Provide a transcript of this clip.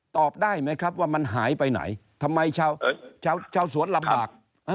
ตอบได้ไหมครับว่ามันหายไปไหนทำไมชาวสวนลำบาก